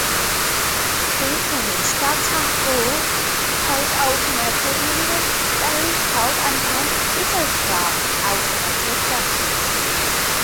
Big Finish "Doctor Who" has alternative universe stories called "Unbound", which explore alternative Doctors.